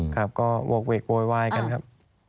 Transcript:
ก็โว้ยวายกันครับ